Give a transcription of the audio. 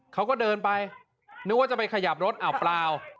เขาก็เดินไปนึกว่าจะไปขยับรถอ่าวเปล่า